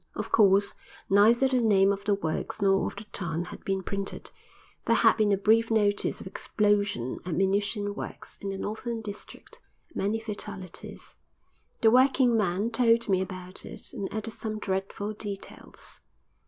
Of course, neither the name of the works nor of the town had been printed; there had been a brief notice of "Explosion at Munition Works in the Northern District: Many Fatalities." The working man told me about it, and added some dreadful details.